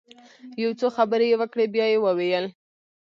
يو څو خبرې يې وکړې بيا يې وويل.